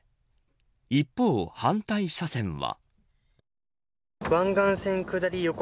一方、反対車線は。